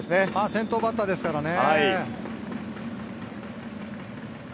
先頭バッターですからね。